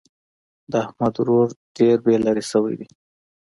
د احمد ورور ډېر بې لارې شوی دی.